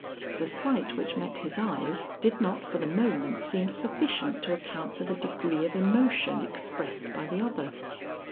The sight which met his eyes, did not for the moment seem sufficient to account for the degree of emotion expressed by the other.